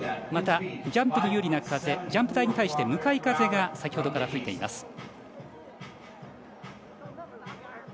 また、ジャンプに有利な風ジャンプ台に対して向かい風が先ほどから吹いています。